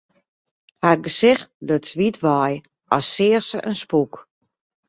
Har gesicht luts wyt wei, as seach se in spûk.